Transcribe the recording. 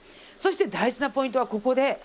そして大事なポイントはここで。